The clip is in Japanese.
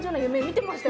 見てました